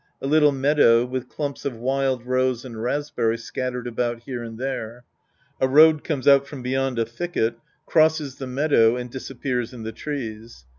A little mea dow, with clumps of wild rose and raspberry scattered about here and there. A road comes out from beyond a thicket, crosses the meadow and disappears in the trees.